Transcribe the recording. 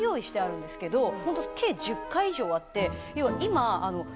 ホント計１０回以上あって要は今。